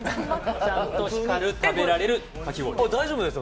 ちゃんと光る食べられるかき氷です。